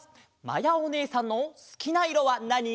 まやおねえさんのすきないろはなに？